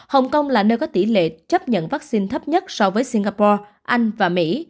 hong kong là nơi có tỉ lệ chấp nhận vaccine thấp nhất so với singapore anh và mỹ